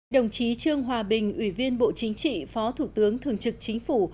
đồng chí trương hòa bình ủy viên bộ chính trị phó thủ tướng thường trực chính phủ